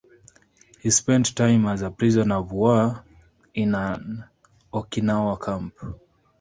He spent time as a prisoner of war in an Okinawa camp.